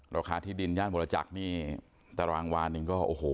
ราคาที่ดินย่านวรจักรนี่ตารางวาหนึ่งก็โอ้โห